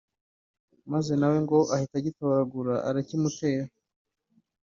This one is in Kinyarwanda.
maze na we ngo ahita agitoragura arakimutera